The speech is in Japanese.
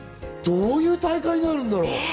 どういう大会になるんだろう。